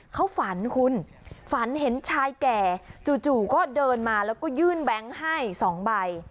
เขาฝันคุณฝันเห็นชายแก่จู่ก็เดินมาแล้วก็ยื่นแบงค์ให้๒ใบ